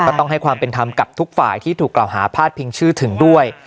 ต้องให้ความเป็นธรรมกับทุกฝ่ายที่ถูกกล่าวหาพาดพิงชื่อถึงด้วย